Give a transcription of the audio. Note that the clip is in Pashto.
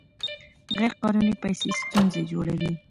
غیر قانوني پیسې ستونزې جوړوي.